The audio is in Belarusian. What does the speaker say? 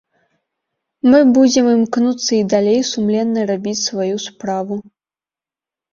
Мы будзем імкнуцца і далей сумленна рабіць сваю справу.